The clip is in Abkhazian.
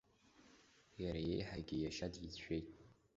Иара иеиҳагьы иашьа дицәшәеит.